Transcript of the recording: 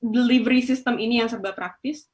delivery system ini yang serba praktis